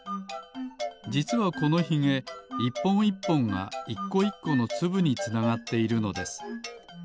じつはこのひげ１ぽん１ぽんが１こ１このつぶにつながっているのです。